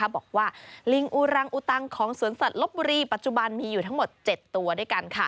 บอกว่าลิงอุรังอุตังของสวนสัตว์ลบบุรีปัจจุบันมีอยู่ทั้งหมด๗ตัวด้วยกัน